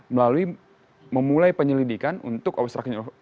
melalui memulai penyelidikan untuk obstruction of